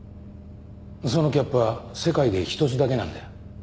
そのキャップは世界で一つだけなんだよ。